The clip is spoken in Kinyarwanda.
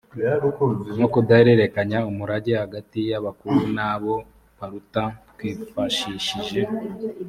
no kudahererekanya umurage hagati y abakuru n abo baruta twifashishije